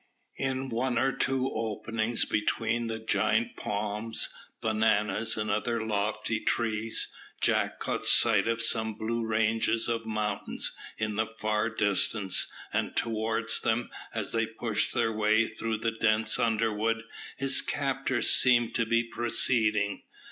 In one or two openings between the giant palms, bananas, and other lofty trees, Jack caught sight of some blue ranges of mountains in the far distance, and towards them, as they pushed their way through the dense underwood, his captors seemed to be proceeding.